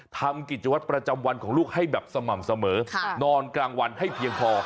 ทำกิจวัตรประจำวันของลูกให้แบบสม่ำเสมอนอนกลางวันให้เพียงพอ